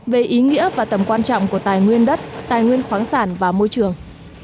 về ý nghĩa và tầm quan trọng của tài nguyên đất tài nguyên khoáng sản và môi trường